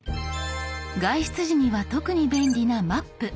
外出時には特に便利な「マップ」。